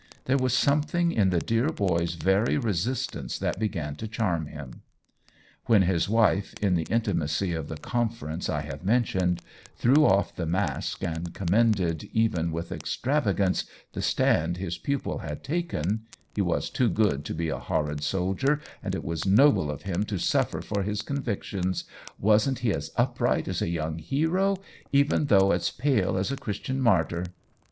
There was something in the dear boy's very resist ance that began to charm him. When his 1 82 OWEN WINGRAVE wife, in the intimacy of the conference I have mentioned, threw off the mask and commended even with extravagance the stand his pupil had taken (he was too good to be a horrid soldier, and it was noble of him to suffer for his convictions — wasn't he as upright as a young hero, even though as pale as a Christian martyr?)